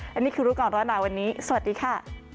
และนี่คือรู้ก่อนร้อนหนาวันนี้สวัสดีค่ะ